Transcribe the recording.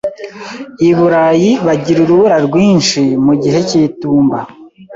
Iburayi bagira urubura rwinshi mu gihe cy'itumba.